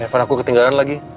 evan aku ketinggalan lagi